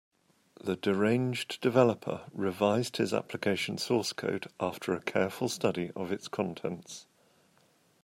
The deranged developer revised his application source code after a careful study of its contents.